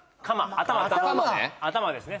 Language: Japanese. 頭ですね